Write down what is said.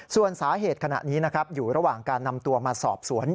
ส่วนสาเหตุขณะนี้นะครับอยู่ระหว่างการนำตัวมาสอบสวน